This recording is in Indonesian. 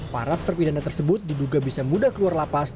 para terpi dana tersebut diduga bisa mudah keluar lapas